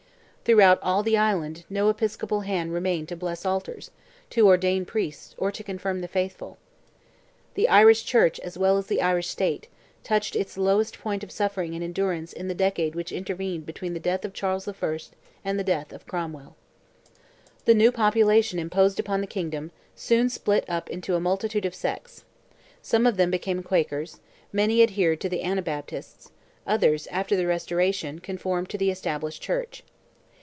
Throughout all the island no episcopal hand remained to bless altars, to ordain priests, or to confirm the faithful. The Irish church as well as the Irish state, touched its lowest point of suffering and endurance in the decade which intervened between the death of Charles I. and the death of Cromwell. The new population imposed upon the kingdom, soon split up into a multitude of sects. Some of them became Quakers: many adhered to the Anabaptists; others, after the Restoration, conformed to the established church.